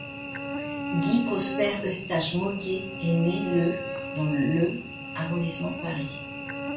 Guy Prosper Eustache Môquet est né le dans le arrondissement de Paris.